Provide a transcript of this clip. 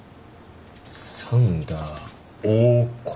サンダー大河内。